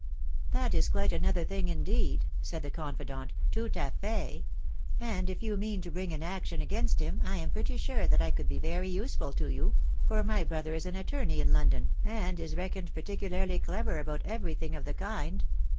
" That is quite another thing, indeed," said the confldot, iC toot a fay ; and, if you mean to bring an action agmrt him, I am pretty sure that 1 could be very useful to you ; fa my brother is an attorney in London, and is reckoned parties* larly clever about every thing of the kind.